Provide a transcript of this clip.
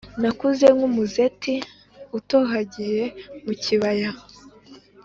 Nakuze nk’umuzeti utohagiye mu kibaya,